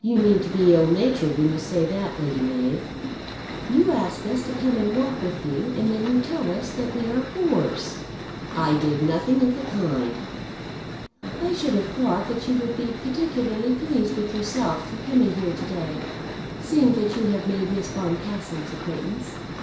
"You mean to be ill natured when you say that, Lady Mab." "You ask us to come and walk with you, and then you tell us that we are bores!" "I did nothing of the kind." "I should have thought that you would be particularly pleased with yourself for coming here to day, seeing that you have made Miss Boncassen's acquaintance.